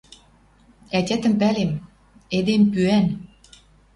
Ӓтятӹм пӓлем. Эдем — пӱӓн.